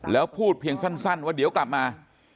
แล้วพูดเพียงสั้นว่าเดี๋ยวกลับมา